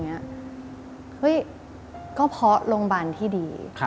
เฮ้ยก็เพราะโรงพยาบาลที่ดี